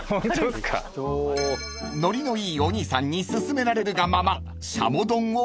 ［ノリのいいお兄さんに勧められるがまま］